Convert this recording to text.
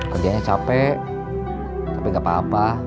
kerjanya capek tapi gak apa apa